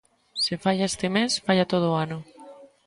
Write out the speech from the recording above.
Se falla este mes, falla todo o ano.